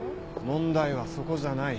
問題はそこじゃない。